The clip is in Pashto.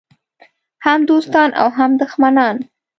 هم دوستان او هم دښمنان.